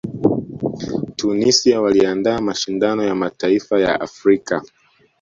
tunisia waliandaa mashindano ya mataifa ya afrika